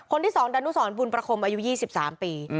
คนที่สองดนุสรบุญประคมอายุ๒๓ปี